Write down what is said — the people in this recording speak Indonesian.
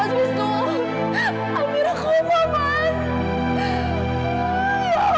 mas bistu akhir aku apa mas